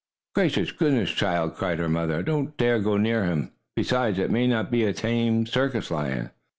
"Gracious goodness, child!" cried her mother. "Don't dare go near him! Besides, it may not be a tame, circus lion."